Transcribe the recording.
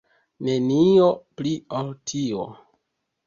Nenio pli ol tio.